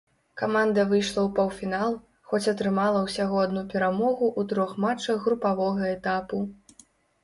Каманда выйшла ў паўфінал, хоць атрымала ўсяго адну перамогу ў трох матчах групавога этапу.